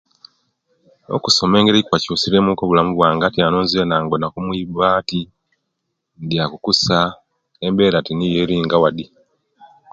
Okusoma engeri ekwakyusirye mu obulamu bwange atyanu nzena ngona ku muibati ndya ku kusa embera tinoyo nga wadi